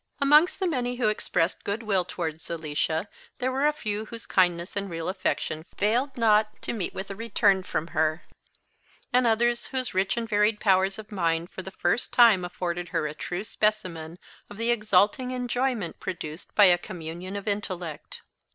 Amongst the many who expressed goodwill towards Alicia there were a few whose kindness and real affection failed not to meet with a return from her; and others whose rich and varied powers of mind for the first time afforded her a true specimen of the exalting enjoyment produced by a communion of intellect.